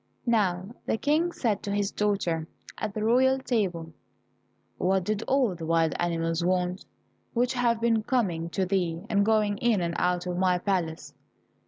Now the King said to his daughter, at the royal table, "What did all the wild animals want, which have been coming to thee, and going in and out of my palace?"